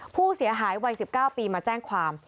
ผู้เสียหายวัย๑๙ปีมาแจ้งความ